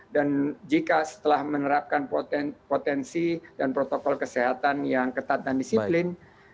dan jika setelah menerapkan potensi dan protokol kesehatan yang ketat dan disiplin